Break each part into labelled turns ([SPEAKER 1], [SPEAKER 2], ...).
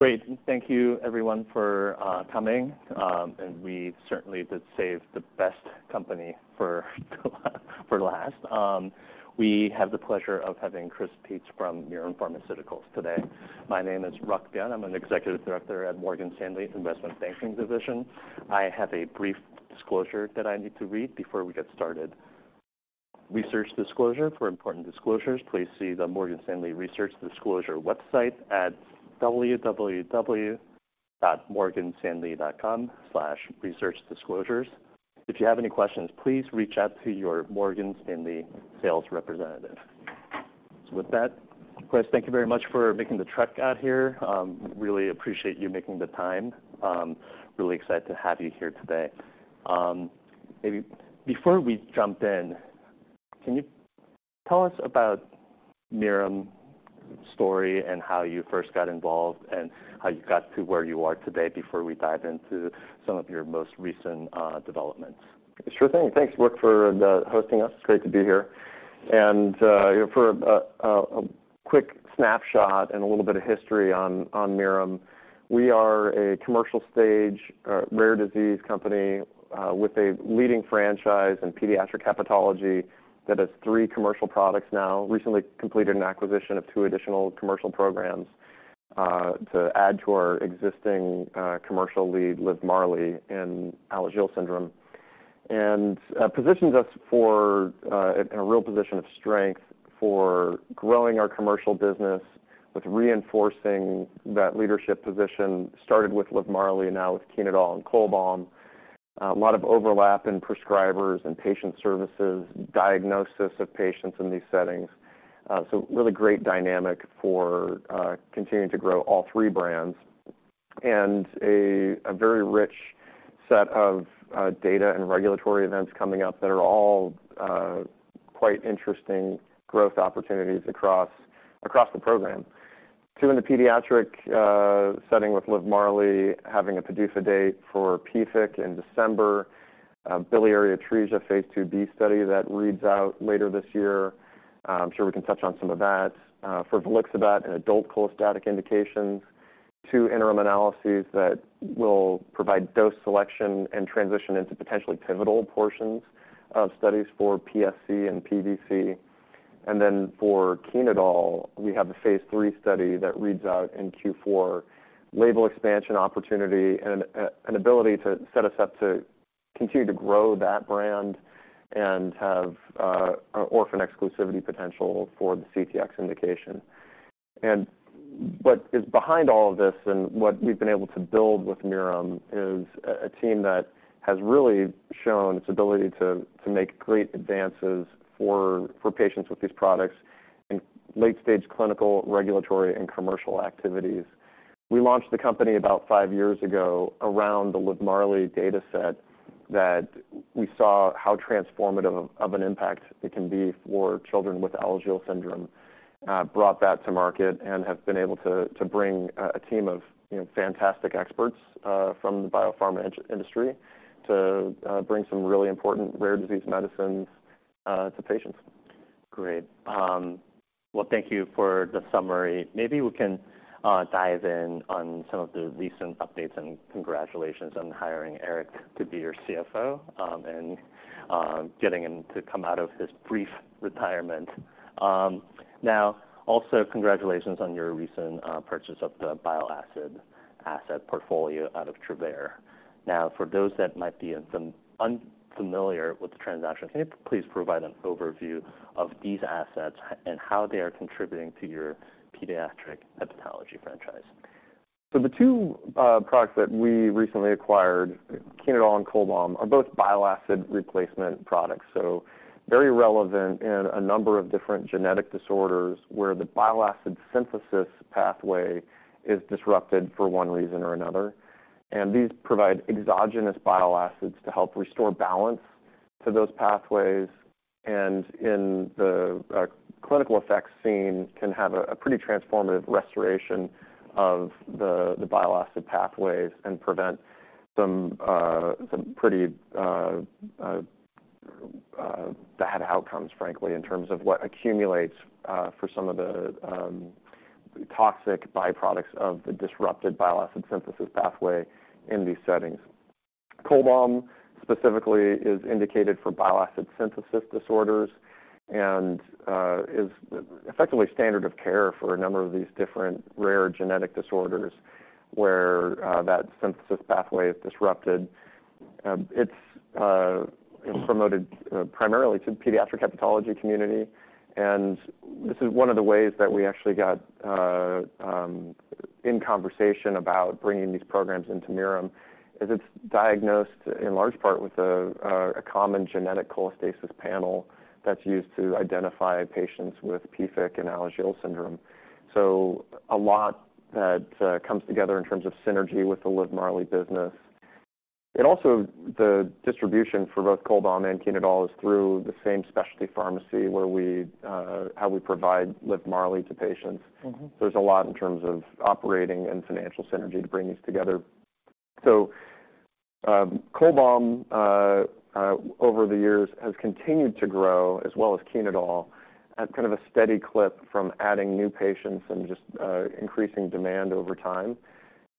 [SPEAKER 1] Great. Thank you everyone for coming. We certainly did save the best company for last. We have the pleasure of having Chris Peetz from Mirum Pharmaceuticals today. My name is Ryuk Byun. I'm an executive director at Morgan Stanley Investment Banking Division. I have a brief disclosure that I need to read before we get started. Research disclosure. For important disclosures, please see the Morgan Stanley Research Disclosure website at www.morganstanley.com/researchdisclosures. If you have any questions, please reach out to your Morgan Stanley sales representative. So with that, Chris, thank you very much for making the trek out here. Really appreciate you making the time. Really excited to have you here today. Maybe before we jump in, can you tell us about Mirum's story and how you first got involved, and how you got to where you are today before we dive into some of your most recent developments?
[SPEAKER 2] Sure thing. Thanks, Ryuk, for hosting us. It's great to be here. You know, for a quick snapshot and a little bit of history on Mirum, we are a commercial-stage rare disease company with a leading franchise in pediatric hepatology that has three commercial products now. Recently completed an acquisition of two additional commercial programs to add to our existing commercial lead, LIVMARLI, and Alagille syndrome. Positions us for a real position of strength for growing our commercial business with reinforcing that leadership position, started with LIVMARLI, and now with chenodiol and CHOLBAM. A lot of overlap in prescribers and patient services, diagnosis of patients in these settings. So really great dynamic for continuing to grow all three brands, and a very rich set of data and regulatory events coming up that are all quite interesting growth opportunities across the program. 2 in the pediatric setting with LIVMARLI, having a PDUFA date for PFIC in December, biliary atresia phase IIb study that reads out later this year. I'm sure we can touch on some of that. For volixibat, an adult cholestatic indications, 2 interim analyses that will provide dose selection and transition into potentially pivotal portions of studies for PSC and PBC. And then for chenodiol, we have a phase III study that reads out in Q4, label expansion opportunity and an ability to set us up to continue to grow that brand and have orphan exclusivity potential for the CTX indication. What is behind all of this and what we've been able to build with Mirum is a team that has really shown its ability to make great advances for patients with these products in late-stage clinical, regulatory, and commercial activities. We launched the company about five years ago around the LIVMARLI data set, that we saw how transformative of an impact it can be for children with Alagille syndrome. Brought that to market and have been able to bring a team of, you know, fantastic experts from the biopharma industry to bring some really important rare disease medicines to patients.
[SPEAKER 1] Great. Well, thank you for the summary. Maybe we can dive in on some of the recent updates, and congratulations on hiring Eric to be your CFO, and getting him to come out of his brief retirement. Now, also congratulations on your recent purchase of the bile acid asset portfolio out of Travere. Now, for those that might be somewhat unfamiliar with the transaction, can you please provide an overview of these assets and how they are contributing to your pediatric hepatology franchise?
[SPEAKER 2] So the two products that we recently acquired, chenodiol and CHOLBAM, are both bile acid replacement products. So very relevant in a number of different genetic disorders, where the bile acid synthesis pathway is disrupted for one reason or another. And these provide exogenous bile acids to help restore balance to those pathways, and in the clinical effect seen, can have a pretty transformative restoration of the bile acid pathways and prevent some pretty bad outcomes, frankly, in terms of what accumulates for some of the toxic byproducts of the disrupted bile acid synthesis pathway in these settings. CHOLBAM, specifically, is indicated for bile acid synthesis disorders and is effectively standard of care for a number of these different rare genetic disorders, where that synthesis pathway is disrupted. It's promoted primarily to pediatric hepatology community, and this is one of the ways that we actually got in conversation about bringing these programs into Mirum, is it's diagnosed in large part with a common genetic cholestasis panel that's used to identify patients with PFIC and Alagille syndrome. So a lot that comes together in terms of synergy with the LIVMARLI business. And also, the distribution for both CHOLBAM and chenodiol is through the same specialty pharmacy where we how we provide LIVMARLI to patients. There's a lot in terms of operating and financial synergy to bring these together. CHOLBAM over the years has continued to grow as well as chenodiol at kind of a steady clip from adding new patients and just increasing demand over time.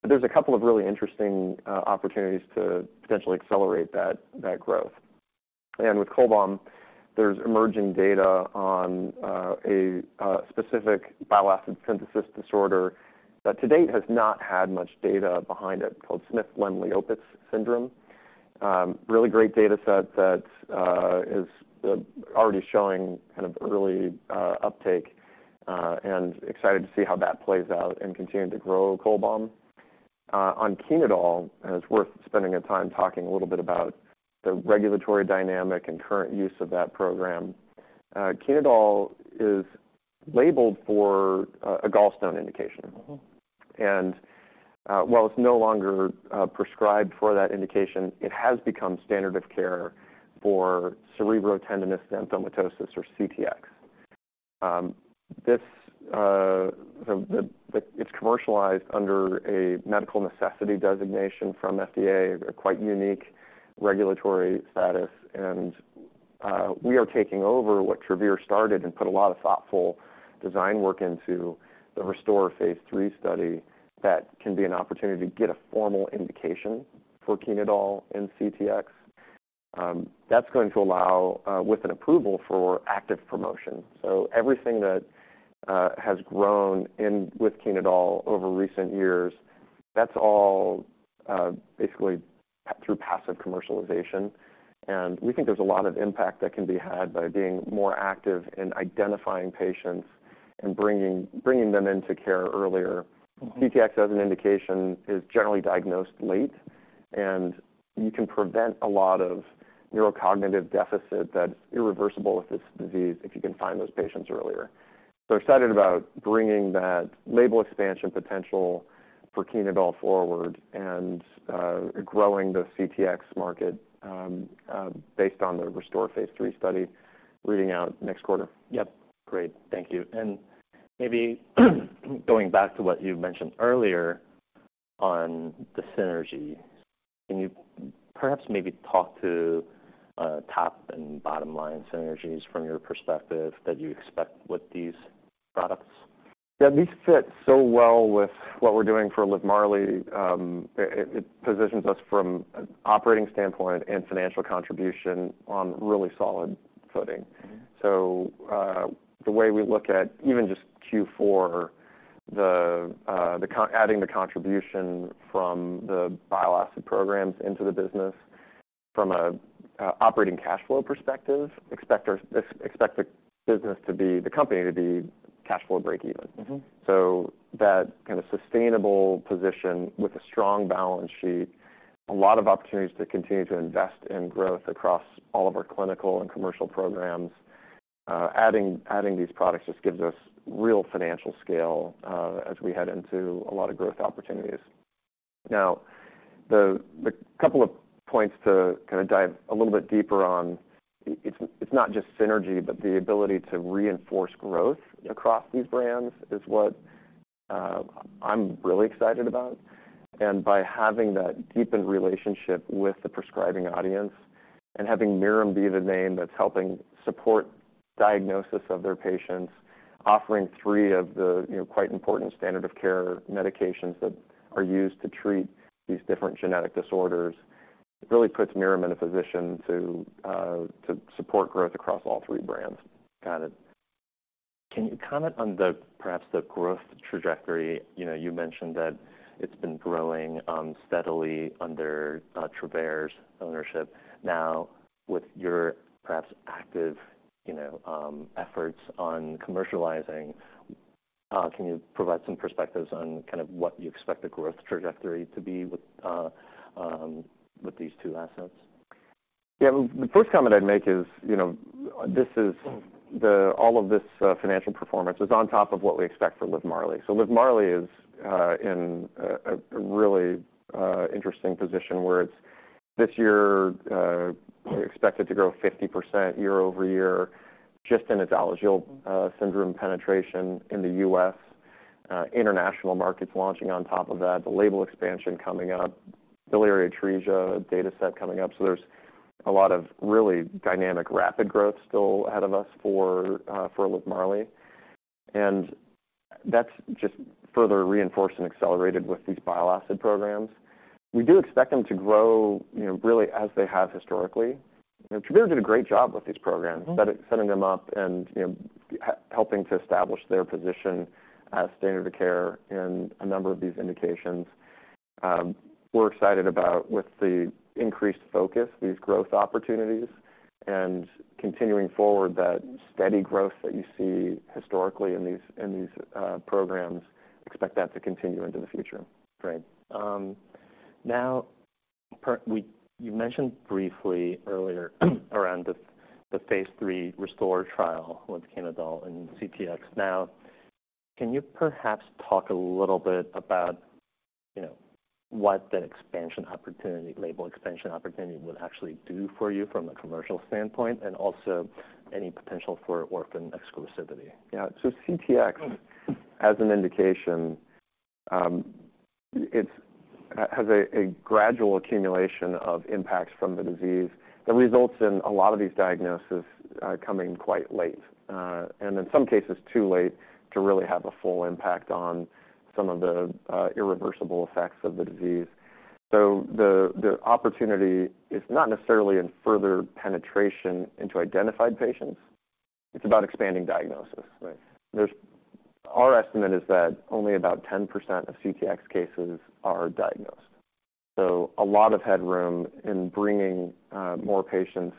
[SPEAKER 2] But there's a couple of really interesting opportunities to potentially accelerate that growth. And with CHOLBAM, there's emerging data on a specific bile acid synthesis disorder that to date has not had much data behind it, called Smith-Lemli-Opitz syndrome. Really great data set that is already showing kind of early uptake and excited to see how that plays out and continuing to grow CHOLBAM. On chenodiol, and it's worth spending some time talking a little bit about the regulatory dynamic and current use of that program. Chenodiol is labeled for a gallstone indication. And, while it's no longer prescribed for that indication, it has become standard of care for cerebrotendinous xanthomatosis or CTX. This, it's commercialized under a medical necessity designation from FDA, a quite unique regulatory status, and, we are taking over what Travere started and put a lot of thoughtful design work into the RESTORE phase III study. That can be an opportunity to get a formal indication for chenodiol and CTX. That's going to allow, with an approval for active promotion. So everything that, has grown in with chenodiol over recent years, that's all, basically through passive commercialization. And we think there's a lot of impact that can be had by being more active in identifying patients and bringing them into care earlier. CTX, as an indication, is generally diagnosed late, and you can prevent a lot of neurocognitive deficit that's irreversible with this disease if you can find those patients earlier. So excited about bringing that label expansion potential for chenodiol forward and growing the CTX market based on the RESTORE phase III study reading out next quarter.
[SPEAKER 1] Yep. Great, thank you. And maybe, going back to what you mentioned earlier on the synergy, can you perhaps maybe talk to, top and bottom line synergies from your perspective that you expect with these products?
[SPEAKER 2] Yeah, these fit so well with what we're doing for LIVMARLI. It positions us from an operating standpoint and financial contribution on really solid footing. So, the way we look at even just Q4, adding the contribution from the bile acid programs into the business from an operating cash flow perspective, expect the business to be, the company to be cash flow breakeven. So that kind of sustainable position with a strong balance sheet, a lot of opportunities to continue to invest in growth across all of our clinical and commercial programs. Adding these products just gives us real financial scale, as we head into a lot of growth opportunities. Now, the couple of points to kind of dive a little bit deeper on, it's not just synergy, but the ability to reinforce growth across these brands is what I'm really excited about. And by having that deepened relationship with the prescribing audience and having Mirum be the name that's helping support diagnosis of their patients, offering three of the, you know, quite important standard of care medications that are used to treat these different genetic disorders, it really puts Mirum in a position to support growth across all three brands.
[SPEAKER 1] Got it. Can you comment on the, perhaps the growth trajectory? You know, you mentioned that it's been growing steadily under Travere's ownership. Now, with your perhaps active, you know, efforts on commercializing, can you provide some perspectives on kind of what you expect the growth trajectory to be with these two assets?
[SPEAKER 2] Yeah. Well, the first comment I'd make is, you know, this is the, all of this financial performance is on top of what we expect for LIVMARLI. So LIVMARLI is in a really interesting position, where it's this year expected to grow 50% year-over-year, just in Alagille syndrome penetration in the U.S., international markets launching on top of that, the label expansion coming up, biliary atresia data set coming up. So there's a lot of really dynamic, rapid growth still ahead of us for LIVMARLI, and that's just further reinforced and accelerated with these bile acid programs. We do expect them to grow, you know, really as they have historically. You know, Travere did a great job with these programs setting them up and, you know, helping to establish their position as standard of care in a number of these indications. We're excited about with the increased focus, these growth opportunities, and continuing forward that steady growth that you see historically in these programs, expect that to continue into the future.
[SPEAKER 1] Great. Now, you mentioned briefly earlier, around the phase III RESTORE trial with chenodiol and CTX. Now, can you perhaps talk a little bit about, you know, what the expansion opportunity, label expansion opportunity would actually do for you from a commercial standpoint, and also any potential for orphan exclusivity?
[SPEAKER 2] Yeah. So CTX, as an indication, has a gradual accumulation of impacts from the disease that results in a lot of these diagnoses coming quite late. And in some cases, too late to really have a full impact on some of the irreversible effects of the disease. So the opportunity is not necessarily in further penetration into identified patients. It's about expanding diagnosis. Our estimate is that only about 10% of CTX cases are diagnosed. So a lot of headroom in bringing more patients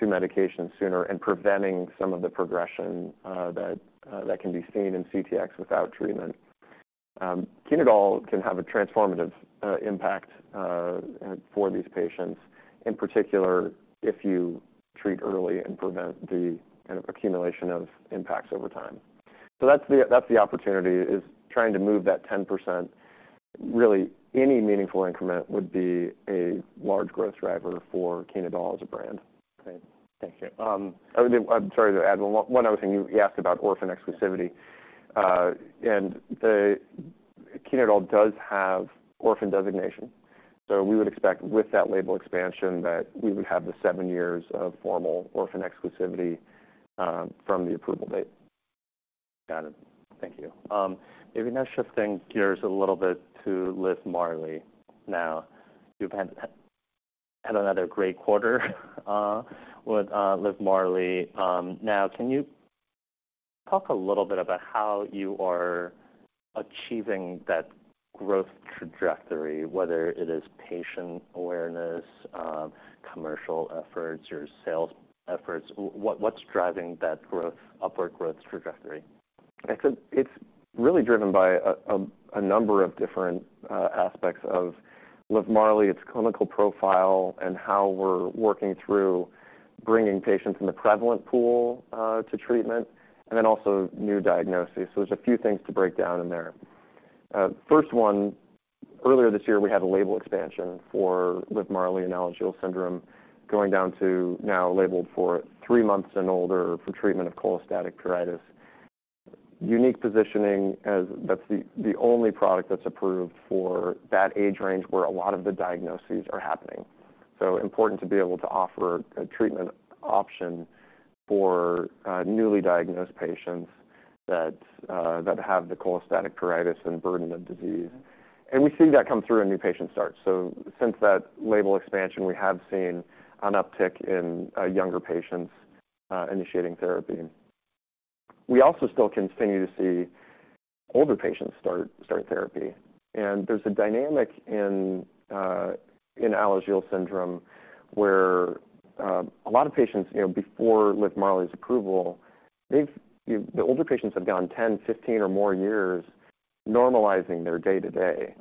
[SPEAKER 2] to medication sooner and preventing some of the progression that can be seen in CTX without treatment. Chenodiol can have a transformative impact for these patients, in particular, if you treat early and prevent the kind of accumulation of impacts over time. So that's the opportunity, is trying to move that 10%. Really, any meaningful increment would be a large growth driver for chenodiol as a brand.
[SPEAKER 1] Okay, thank you.
[SPEAKER 2] I'm sorry to add one other thing. You asked about orphan exclusivity, and the chenodiol does have orphan designation. So we would expect with that label expansion, that we would have the 7 years of formal orphan exclusivity, from the approval date.
[SPEAKER 1] Got it. Thank you. Maybe now shifting gears a little bit to LIVMARLI. Now, you've had another great quarter with LIVMARLI. Now, can you talk a little bit about how you are achieving that growth trajectory, whether it is patient awareness, commercial efforts, or sales efforts? What’s driving that growth, upward growth trajectory?
[SPEAKER 2] I said it's really driven by a number of different aspects of LIVMARLI, its clinical profile, and how we're working through bringing patients in the prevalent pool to treatment, and then also new diagnoses. So there's a few things to break down in there. First one, earlier this year, we had a label expansion for LIVMARLI in Alagille syndrome, going down to now labeled for three months and older for treatment of cholestatic pruritus. Unique positioning, as that's the only product that's approved for that age range, where a lot of the diagnoses are happening. So important to be able to offer a treatment option for newly diagnosed patients that have the cholestatic pruritus and burden of disease. And we see that come through in new patient starts. So since that label expansion, we have seen an uptick in younger patients initiating therapy. We also still continue to see older patients start therapy, and there's a dynamic in Alagille syndrome, where a lot of patients, you know, before LIVMARLI's approval, they've. The older patients have gone 10, 15, or more years, normalizing their day-to-day.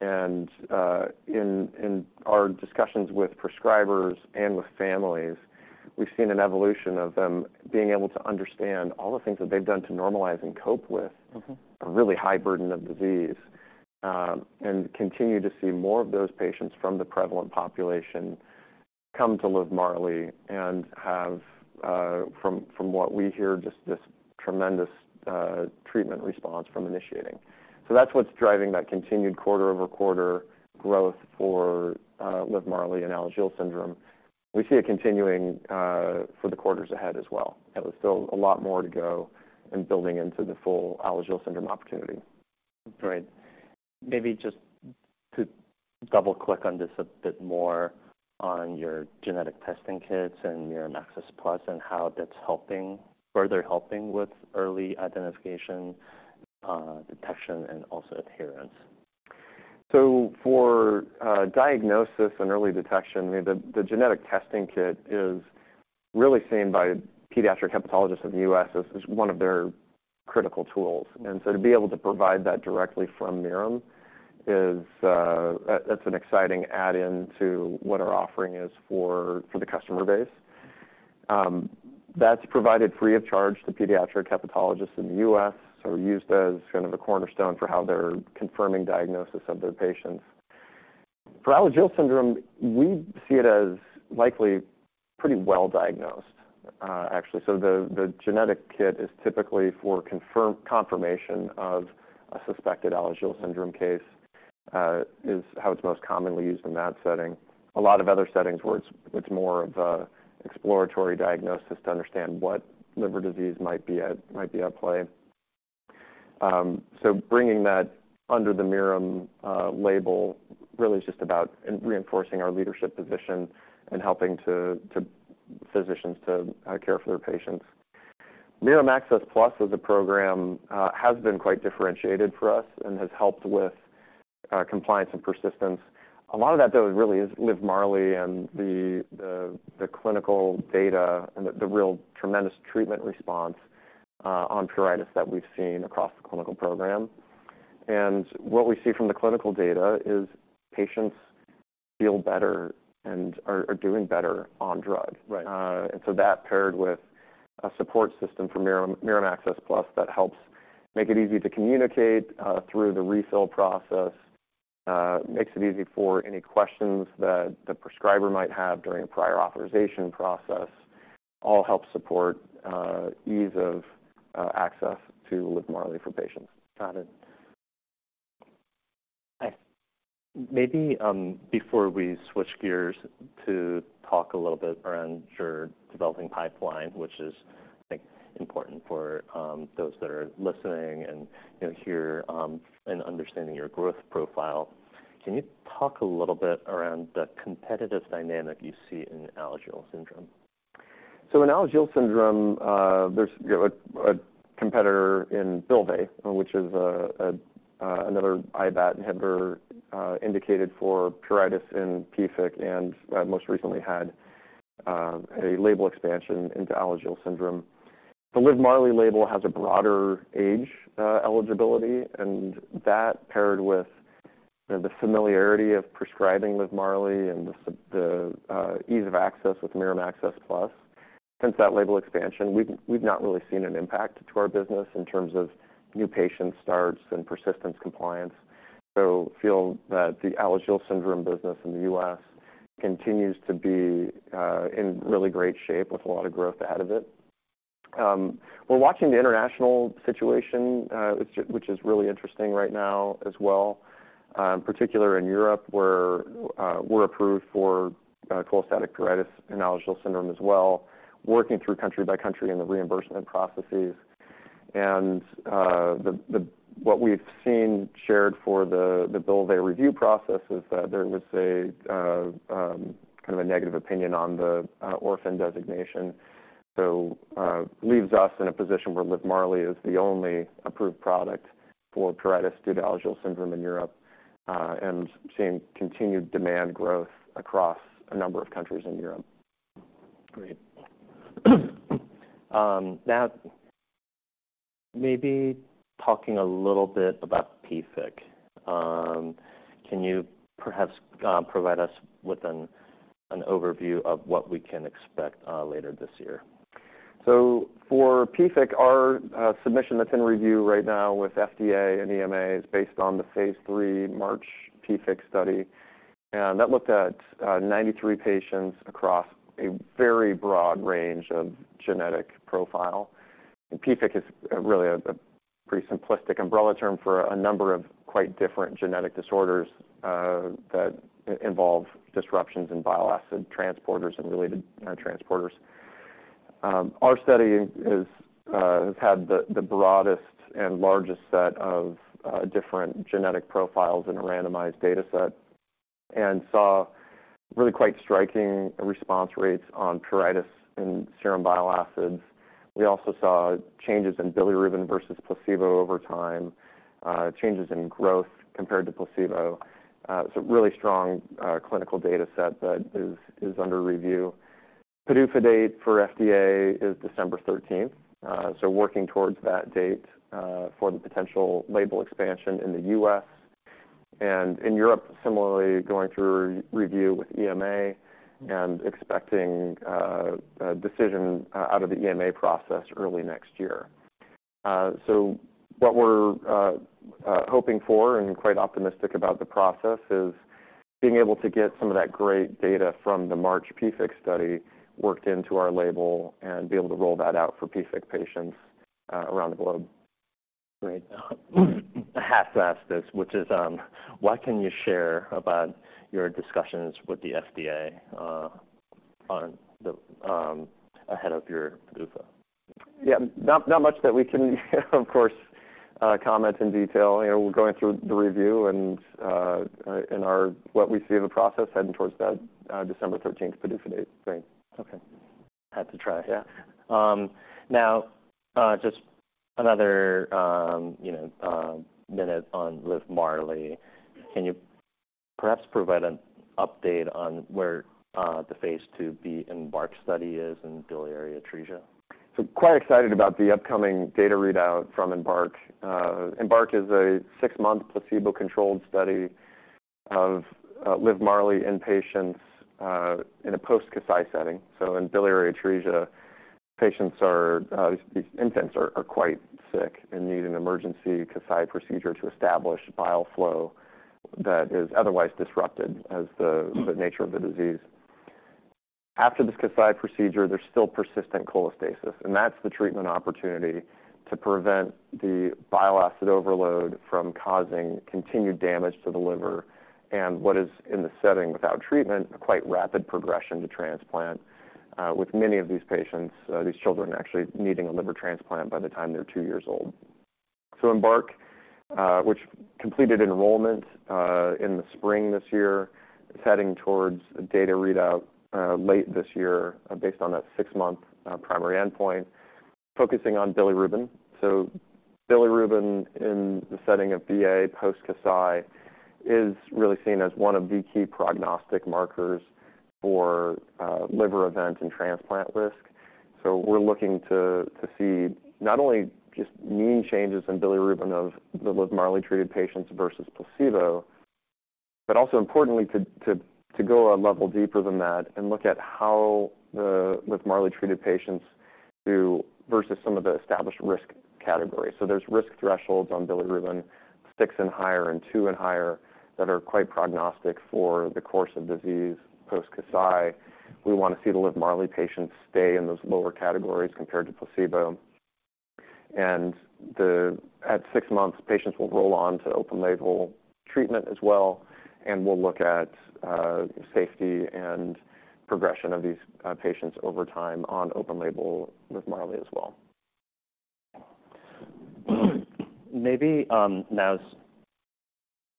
[SPEAKER 2] In our discussions with prescribers and with families, we've seen an evolution of them being able to understand all the things that they've done to normalize and cope with. A really high burden of disease. And continue to see more of those patients from the prevalent population come to LIVMARLI and have, from what we hear, just this tremendous treatment response from initiating. So that's what's driving that continued quarter-over-quarter growth for LIVMARLI and Alagille syndrome. We see it continuing for the quarters ahead as well. There was still a lot more to go in building into the full Alagille syndrome opportunity.
[SPEAKER 1] Great. Maybe just to double-click on this a bit more on your genetic testing kits and your Mirum Access Plus and how that's helping, further helping with early identification, detection, and also adherence.
[SPEAKER 2] So, for diagnosis and early detection, I mean, the genetic testing kit is really seen by pediatric hepatologists in the U.S. as one of their critical tools. So to be able to provide that directly from Mirum is. That's an exciting add-in to what our offering is for the customer base. That's provided free of charge to pediatric hepatologists in the U.S., so used as kind of a cornerstone for how they're confirming diagnosis of their patients. For Alagille syndrome, we see it as likely pretty well diagnosed, actually. So the genetic kit is typically for confirmation of a suspected Alagille syndrome case, is how it's most commonly used in that setting. A lot of other settings where it's more of an exploratory diagnosis to understand what liver disease might be at play. So bringing that under the Mirum label really is just about reinforcing our leadership position and helping physicians to care for their patients. Mirum Access Plus as a program has been quite differentiated for us and has helped with compliance and persistence. A lot of that, though, really is LIVMARLI and the clinical data and the real tremendous treatment response on pruritus that we've seen across the clinical program. And what we see from the clinical data is patients feel better and are doing better on drug. And so that paired with a support system for Mirum, Mirum Access Plus that helps make it easy to communicate through the refill process, makes it easy for any questions that the prescriber might have during a prior authorization process. All help support ease of access to LIVMARLI for patients.
[SPEAKER 1] Got it. Maybe, before we switch gears to talk a little bit around your developing pipeline, which is, I think, important for, those that are listening and, you know, hear, and understanding your growth profile. Can you talk a little bit around the competitive dynamic you see in Alagille syndrome?
[SPEAKER 2] So in Alagille syndrome, there's, you know, a competitor in Bylvay, which is another IBAT inhibitor, indicated for pruritus in PFIC, and most recently had a label expansion into Alagille syndrome. The LIVMARLI label has a broader age eligibility, and that paired with the familiarity of prescribing LIVMARLI and the ease of access with Mirum Access Plus. Since that label expansion, we've not really seen an impact to our business in terms of new patient starts and persistence compliance. So feel that the Alagille syndrome business in the U.S. continues to be in really great shape with a lot of growth out of it. We're watching the international situation, which is really interesting right now as well. In particular, in Europe, where we're approved for cholestatic pruritus in Alagille syndrome as well, working through country-by-country in the reimbursement processes. And, what we've seen shared for the Bylvay review process is that there was a kind of a negative opinion on the orphan designation. So, leaves us in a position where LIVMARLI is the only approved product for pruritus due to Alagille syndrome in Europe, and seeing continued demand growth across a number of countries in Europe.
[SPEAKER 1] Great. Now maybe talking a little bit about PFIC. Can you perhaps provide us with an overview of what we can expect later this year?
[SPEAKER 2] So for PFIC, our submission that's in review right now with FDA and EMA is based on the phase III MARCH-PFIC study, and that looked at 93 patients across a very broad range of genetic profile. And PFIC is really a pretty simplistic umbrella term for a number of quite different genetic disorders that involve disruptions in bile acid transporters and related transporters. Our study has had the broadest and largest set of different genetic profiles in a randomized data set and saw really quite striking response rates on pruritus and serum bile acids. We also saw changes in bilirubin versus placebo over time, changes in growth compared to placebo. So really strong clinical data set that is under review. PDUFA date for FDA is December thirteenth, so working towards that date, for the potential label expansion in the U.S. In Europe, similarly, going through review with EMA and expecting a decision out of the EMA process early next year. What we're hoping for and quite optimistic about the process is being able to get some of that great data from the MARCH-PFIC study worked into our label and be able to roll that out for PFIC patients around the globe.
[SPEAKER 1] Great. I have to ask this, which is, what can you share about your discussions with the FDA, on the, ahead of your PDUFA?
[SPEAKER 2] Yeah. Not much that we can, of course, comment in detail. You know, we're going through the review and our... What we see in the process heading towards that December 13th PDUFA date.
[SPEAKER 1] Great. Okay. Had to try. Now, just another, you know, minute on LIVMARLI. Can you perhaps provide an update on where the phase II EMBARK study is in biliary atresia?
[SPEAKER 2] So, quite excited about the upcoming data readout from EMBARK. EMBARK is a six-month placebo-controlled study of LIVMARLI in patients in a post-Kasai setting. So in biliary atresia, patients are these infants are quite sick and need an emergency Kasai procedure to establish bile flow that is otherwise disrupted as the nature of the disease. After this Kasai procedure, there's still persistent cholestasis, and that's the treatment opportunity to prevent the bile acid overload from causing continued damage to the liver. And what is in the setting without treatment, a quite rapid progression to transplant with many of these patients these children actually needing a liver transplant by the time they're two years old. So EMBARK, which completed enrollment in the spring this year, is heading towards a data readout late this year, based on that 6-month primary endpoint, focusing on bilirubin. So bilirubin in the setting of BA post-Kasai is really seen as one of the key prognostic markers for liver event and transplant risk. So we're looking to see not only just mean changes in bilirubin of the LIVMARLI-treated patients versus placebo, but also importantly, to go a level deeper than that and look at how the LIVMARLI-treated patients to versus some of the established risk categories. So there's risk thresholds on bilirubin, 6 and higher, and 2 and higher, that are quite prognostic for the course of disease post-Kasai. We wanna see the LIVMARLI patients stay in those lower categories compared to placebo. At six months, patients will roll on to open-label treatment as well, and we'll look at safety and progression of these patients over time on open-label LIVMARLI as well.
[SPEAKER 1] Maybe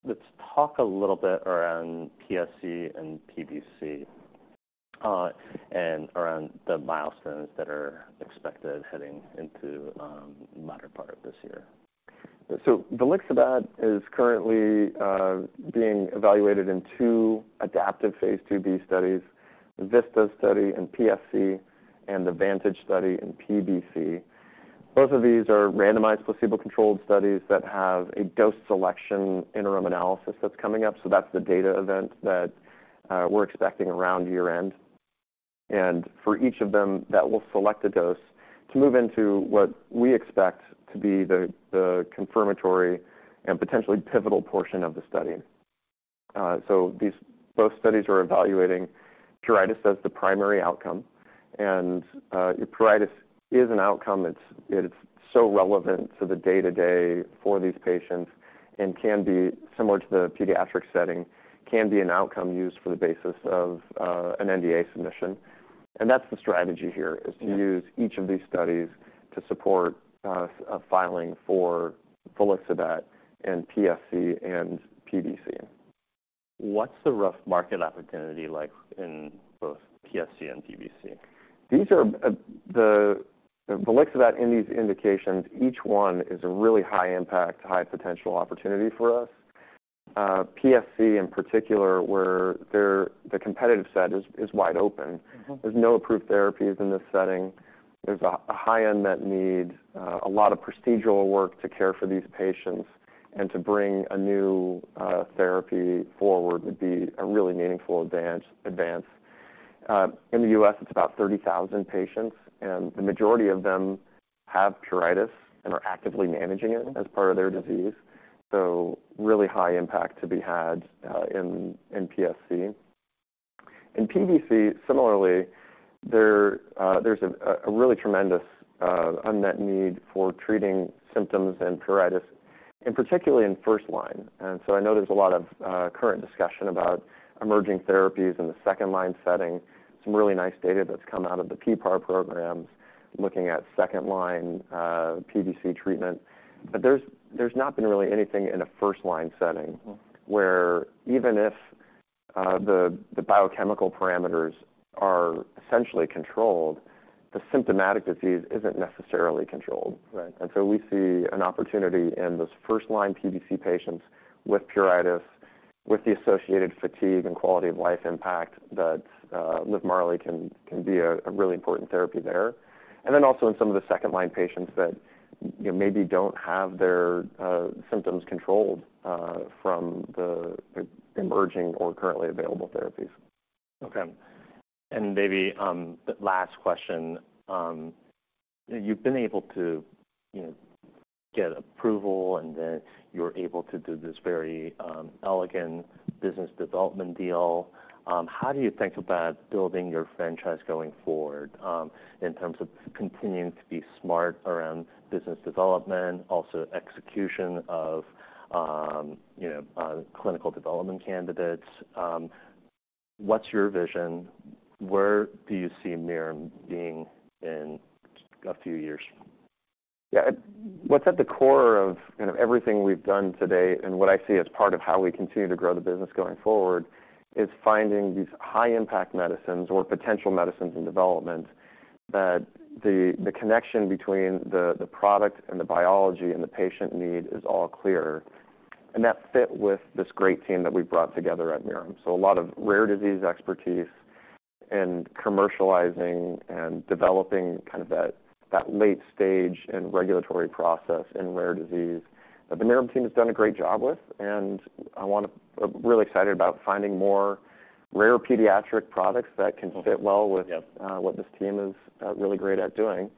[SPEAKER 1] now let's talk a little bit around PSC and PBC, and around the milestones that are expected heading into latter part of this year.
[SPEAKER 2] So volixibat is currently being evaluated in two adaptive phase IIb studies, VISTAS study in PSC and the VANTAGE study in PBC. Both of these are randomized, placebo-controlled studies that have a dose selection interim analysis that's coming up, so that's the data event that we're expecting around year-end. And for each of them, that will select a dose to move into what we expect to be the confirmatory and potentially pivotal portion of the study. Both studies are evaluating pruritus as the primary outcome, and pruritus is an outcome that's, it's so relevant to the day-to-day for these patients and can be similar to the pediatric setting, can be an outcome used for the basis of an NDA submission. And that's the strategy here is to use each of these studies to support, a filing for volixibat in PSC and PBC.
[SPEAKER 1] What's the rough market opportunity like in both PSC and PBC?
[SPEAKER 2] These are the volixibat in these indications, each one is a really high-impact, high-potential opportunity for us. PSC in particular, where the competitive set is wide open. There's no approved therapies in this setting. There's a high unmet need, a lot of procedural work to care for these patients, and to bring a new therapy forward would be a really meaningful advance. In the U.S., it's about 30,000 patients, and the majority of them have pruritus and are actively managing it as part of their disease, so really high impact to be had in PSC. In PBC, similarly, there's a really tremendous unmet need for treating symptoms and pruritus, and particularly in first line. I know there's a lot of current discussion about emerging therapies in the second-line setting. Some really nice data that's come out of the PPAR programs, looking at second-line PBC treatment. But there's not been really anything in a first-line setting, where even if the biochemical parameters are essentially controlled, the symptomatic disease isn't necessarily controlled. And so we see an opportunity in those first-line PBC patients with pruritus, with the associated fatigue and quality-of-life impact, that LIVMARLI can be a really important therapy there. And then also in some of the second-line patients that, you know, maybe don't have their symptoms controlled from the emerging or currently available therapies.
[SPEAKER 1] Okay. And maybe, the last question. You've been able to, you know, get approval, and then you're able to do this very elegant business development deal. How do you think about building your franchise going-forward, in terms of continuing to be smart around business development, also execution of, you know, clinical development candidates? What's your vision? Where do you see Mirum being in a few years?
[SPEAKER 2] Yeah. What's at the core of kind of everything we've done today, and what I see as part of how we continue to grow the business going-forward, is finding these high-impact medicines or potential medicines in development, that the connection between the product and the biology and the patient need is all clear, and that fit with this great team that we've brought together at Mirum. So a lot of rare disease expertise and commercializing and developing kind of that late stage and regulatory process in rare disease, that the Mirum team has done a great job with, and I wanna, I'm really excited about finding more rare pediatric products that can fit well with what this team is really great at doing,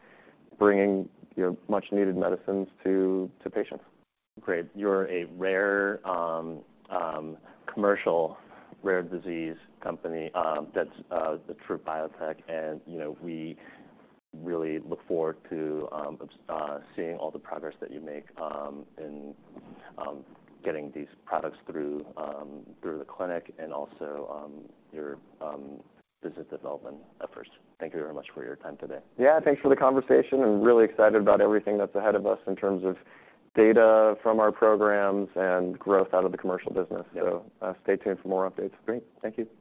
[SPEAKER 2] bringing, you know, much needed medicines to patients.
[SPEAKER 1] Great. You're a rare commercial rare disease company, that's the true biotech, and, you know, we really look forward to seeing all the progress that you make in getting these products through the clinic and also your business development efforts. Thank you very much for your time today.
[SPEAKER 2] Yeah, thanks for the conversation. I'm really excited about everything that's ahead of us in terms of data from our programs and growth out of the commercial business. So, stay tuned for more updates.
[SPEAKER 1] Great. Thank you. Thanks.